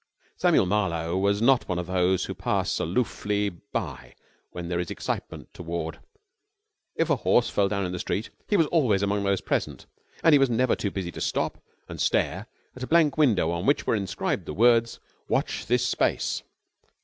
Samuel Marlowe was not one of those who pass aloofly by when there is excitement toward. If a horse fell down in the street, he was always among those present: and he was never too busy to stop and stare at a blank window on which were inscribed the words "Watch this space!"